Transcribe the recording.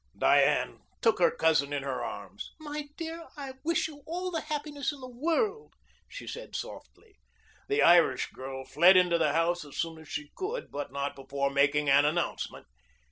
Diane took her cousin in her arms. "My dear, I wish you all the happiness in the world," she said softly. The Irish girl fled into the house as soon as she could, but not before making an announcement.